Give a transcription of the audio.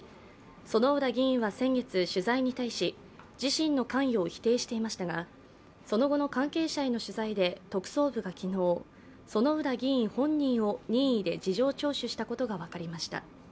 薗浦議員は先月、取材に対し自身の関与を否定していましたがその後の関係者への取材で特捜部が昨日、薗浦議員本人を任意で事情聴取したことが分かりました。